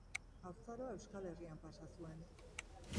Haurtzaroa Euskal Herrian pasa zuen.